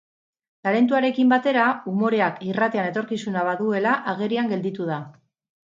Talentuarekin batera, umoreak irratian etorkizuna baduela agerian gelditu da.